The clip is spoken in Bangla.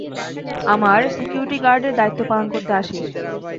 আমার সিকিউরিটি গার্ডের দায়িত্ব পালন করতে আসিস!